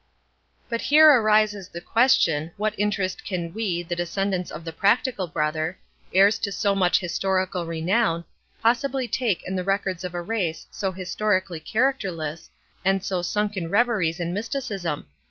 But here arises the question, what interest can we, the descendants of the practical brother, heirs to so much historical renown, possibly take in the records of a race so historically characterless, and so sunk in reveries and mysticism?